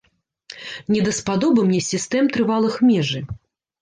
Не даспадобы мне сістэм трывалых межы.